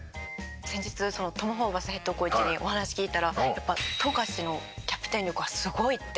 先日トム・ホーバスヘッドコーチにお話聞いたらやっぱ「富樫のキャプテン力はすごい」って。